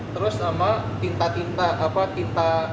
terus sama tinta tinta